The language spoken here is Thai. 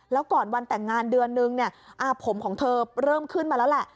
แล้วก่อนวันแต่งงานเดือนนึงเนี่ยผมของเธอเริ่มขึ้นมาแล้วแหละ